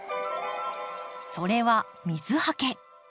それは水はけ。